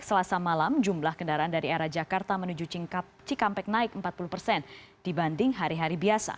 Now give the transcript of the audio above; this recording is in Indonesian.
selasa malam jumlah kendaraan dari arah jakarta menuju cikampek naik empat puluh persen dibanding hari hari biasa